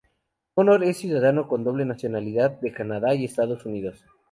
Connor es ciudadano con doble nacionalidad de Canadá y Estados Unidos.